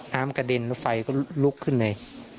น้ำกระเด็นแล้วไฟก็ลุกขึ้นเลย